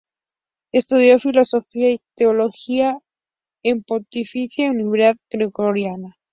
Estudió filosofía y teología en la Pontificia Universidad Gregoriana.